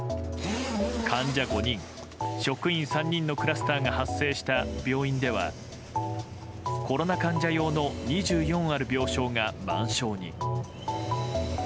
患者５人、職員３人のクラスターが発生した病院ではコロナ患者用の２４ある病床が満床に。